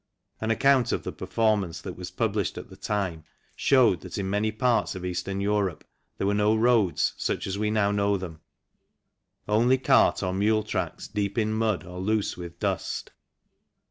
An account of the performance that was published at the time showed that in many parts of Eastern Europe there were no roads, such as we know them, only cart or mule tracks deep in mud or loose with dust.